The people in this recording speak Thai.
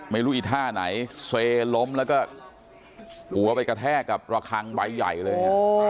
ไม่รู้อีกท่าไหนเสลล้มแล้วก็หัวไปกระแทกกับระคังไว่ใหญ่เลย